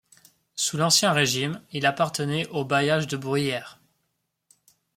Sous l’Ancien Régime, il appartenait au bailliage de Bruyères.